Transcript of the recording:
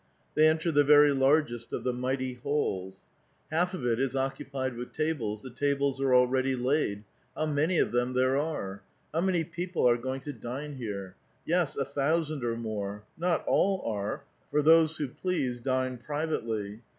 They enter the very largest of the mighty halls. Half of it is occupied with tables ; the tables are already laid — how many of them there are ! How many people are going to dine here ! Yes, a thousand or more : not all are, for those who please dine privately."